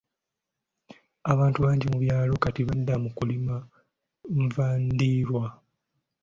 Abantu bangi mu byalo kati badda mu kulima nva ndiirwa.